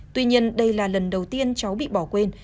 tuy nhiên đây là lần đầu tiên cháu bị bỏ quên